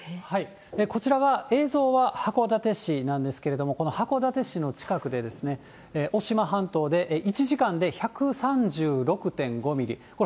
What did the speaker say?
こちらが映像は函館市なんですけれども、この函館市の近くでですね、おしま半島で１時間で１３６．５ミリ、これ、